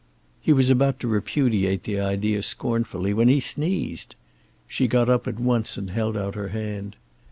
He was about to repudiate the idea scornfully, when he sneezed! She got up at once and held out her hand.